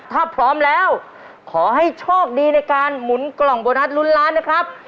ถ้าพร้อมแล้วขอให้โชคดีในการหมุนกล่องโบนัสลุ้นล้านนะครับ